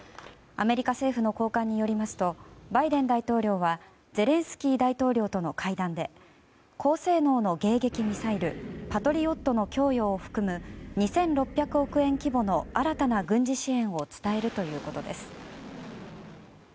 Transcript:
アメリカ政府の高官によりますとバイデン大統領はゼレンスキー大統領との会談で高性能の迎撃ミサイルパトリオットの供与を含む２６００億円規模の新たな軍事支援を伝えるということです。